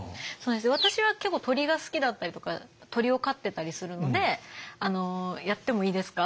私は結構鳥が好きだったりとか鳥を飼ってたりするのであのやってもいいですか？